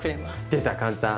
出た簡単。